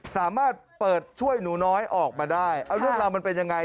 สามารถเปิดช่วยหนูน้อยออกมาได้เอาเรื่องราวมันเป็นยังไง